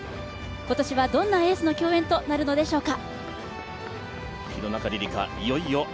今年はどんなエースの共演となるのでしょうか？